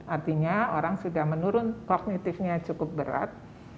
artinya orang sudah menurun kognitifnya cukup berat